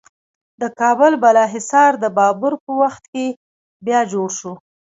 د کابل بالا حصار د بابر په وخت کې بیا جوړ شو